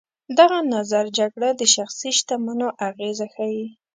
دغه نظر جګړه د شخصي شتمنیو اغېزه ښيي.